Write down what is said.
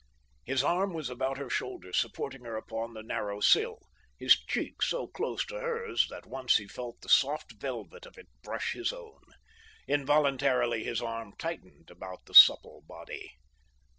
His arm was about her shoulders, supporting her upon the narrow sill. His cheek so close to hers that once he felt the soft velvet of it brush his own. Involuntarily his arm tightened about the supple body.